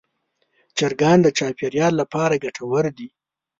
چرګان د چاپېریال لپاره ګټور دي.